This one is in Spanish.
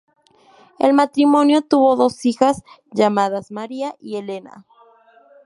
El matrimonio tuvo dos hijas llamadas Maria y Helena.